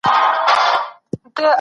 ناوړه ارادې نه پوره کېږي.